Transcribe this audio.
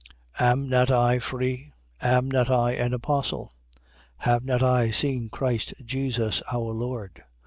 9:1. Am I not I free? Am not I an apostle? Have not I seen Christ Jesus our Lord?